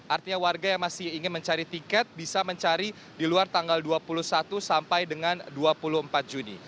artinya warga yang masih ingin mencari tiket bisa mencari di luar tanggal dua puluh satu sampai dengan dua puluh empat juni